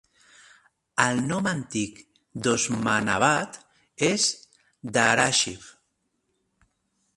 El nom antic d"Osmanabad és Dharashiv.